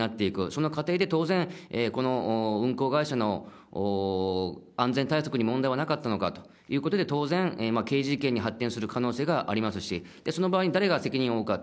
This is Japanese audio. その過程で当然、この運航会社の安全対策に問題はなかったのかということで、当然、刑事事件に発展する可能性がありますし、その場合に、誰が責任を負うか。